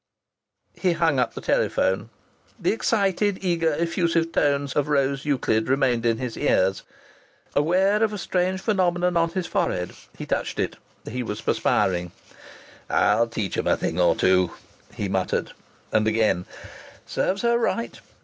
He hung up the telephone. The excited, eager, effusive tones of Rose Euclid remained in his ears. Aware of a strange phenomenon on his forehead, he touched it. He was perspiring. "I'll teach 'em a thing or two," he muttered. And again: "Serves her right....